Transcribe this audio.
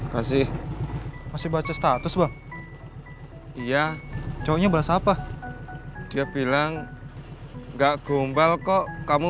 kasih masih baca status wah iya cowoknya balas apa dia bilang enggak gombal kok kamu